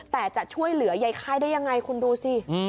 แต่จะช่วยเหลือยายค่ายได้ยังไงคุณดูสิ